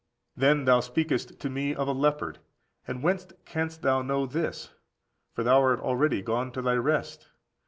Then thou speakest to me of the leopard; and whence canst thou know this, for thou art already gone to thy rest?